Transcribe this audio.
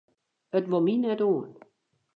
It wol my net oan.